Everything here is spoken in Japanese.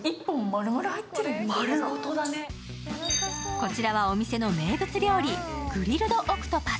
こちらはお店の名物料理グリルド・オクトパス。